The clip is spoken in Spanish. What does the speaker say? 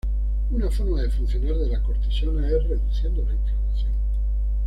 Una forma de funcionar de la cortisona es reduciendo la inflamación.